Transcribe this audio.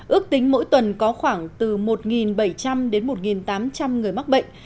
ước tính mỗi tuần có khoảng từ một bảy trăm linh đến một tám trăm linh người mắc bệnh